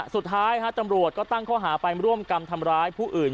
สุดท้ายตำรวจก็ตั้งข้อหาไปร่วมกรรมทำร้ายผู้อื่น